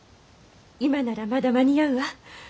今ならまだ間に合うわ。